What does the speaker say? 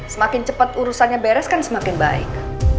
semakin cepat urusannya beres kan semakin baik